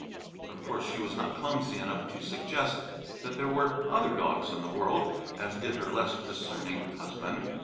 Of course she was not clumsy enough to suggest that there were other dogs in the world, as did her less discerning husband.